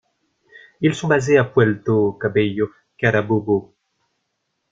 Ils sont basés à Puerto Cabello, Carabobo.